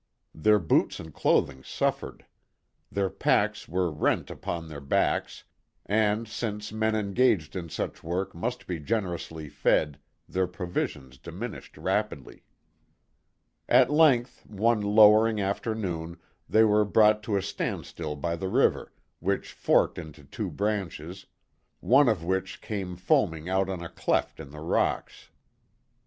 Their boots and clothing suffered; their packs were rent upon their backs, and, since men engaged in such work must be generously fed, their provisions diminished rapidly. At length, one lowering afternoon, they were brought to a standstill by the river, which forked into two branches, one of which came foaming out on a cleft in the rocks.